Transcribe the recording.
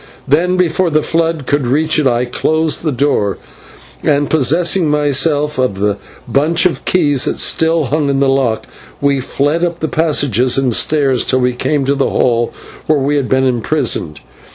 Then, before the flood could reach it, I closed the door, and, possessing myself of the bunch of keys that still hung in the lock, we fled up the passages and stairs till we came to the hall where we had been imprisoned.